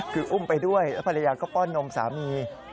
คืออุ้มไปด้วยแล้วภรรยาก็ป้อนนมสามี